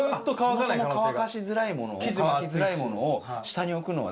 そもそも乾かしづらいものを乾きづらいものを下に置くのは。